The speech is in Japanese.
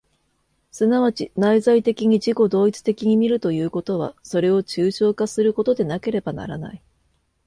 即ち内在的に自己同一的に見るということは、それを抽象化することでなければならない。